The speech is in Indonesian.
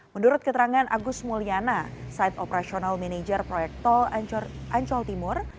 menurut keterangan agus mulyana site operational manager proyek tol ancol timur